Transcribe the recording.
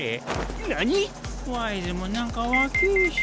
何⁉ワイズも何か若ぇし。